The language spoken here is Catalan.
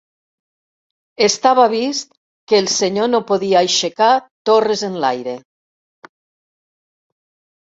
Estava vist que el senyor no podia aixecar torres enlaire